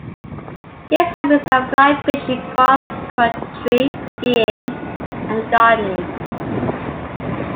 His hobbies are fly-fishing, cross-country skiing, and gardening.